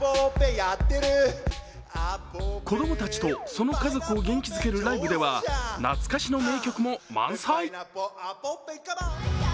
子供たちとその家族を元気づけるライブでは懐かしの名曲も満載。